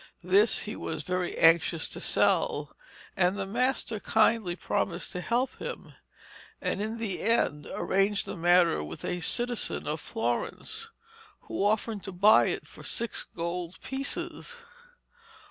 This he was very anxious to sell, and the master kindly promised to help him, and in the end arranged the matter with a citizen of Florence, who offered to buy it for six gold pieces.